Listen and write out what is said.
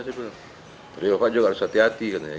dari bapak juga harus hati hati katanya